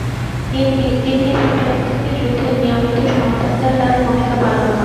তিনি স্পেন থেকে যুদ্ধের নিয়মিত সংবাদদাতার ভূমিকা পালন করেন।